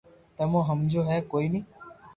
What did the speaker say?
تمو ھمجو ھي ڪوئي ني